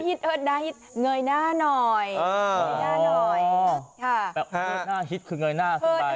เฮิดหน้าฮิดเฮิดน่าฮิดเหนยหน้าหน่อย